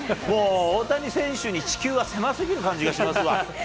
もう大谷選手に地球は狭すぎる感じがしますわ。